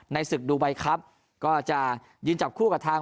ศึกดูไบครับก็จะยืนจับคู่กับทาง